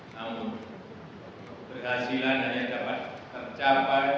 namun keberhasilan hanya dapat tercapai